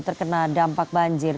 terkena dampak banjir